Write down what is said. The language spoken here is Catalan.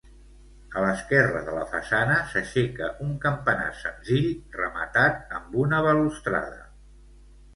A l'esquerra de la façana s'aixeca un campanar senzill rematat amb una balustrada.